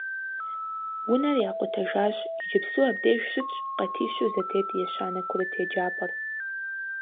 Унэр якъутэжащ, иджыпсту абдеж щытщ къатищу зэтет ещанэ курыт еджапӏэр.